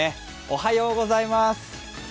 おはようございます。